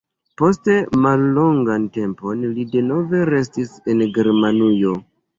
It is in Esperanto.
Poste mallongan tempon li denove restis en Germanujo.